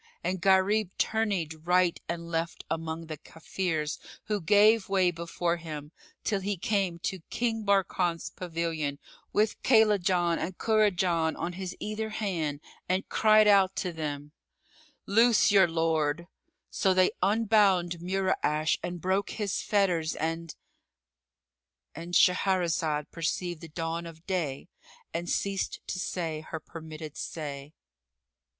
And Gharib tourneyed right and left among the Kafirs who gave way before him, till he came to King Barkan's pavilion, with Kaylajan and Kurajan on his either hand, and cried out to them, "Loose your lord!" So they unbound Mura'ash and broke his fetters and——And Shahrazad perceived the dawn of day and ceased to say her permitted say.